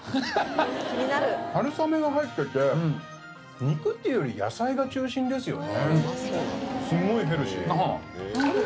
春雨が入ってて肉っていうより野菜が中心ですよね